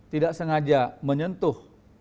tidak sengaja menyentuh